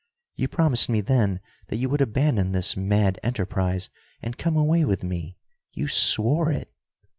You promised me then that you would abandon this mad enterprise and come away with me. You swore it!"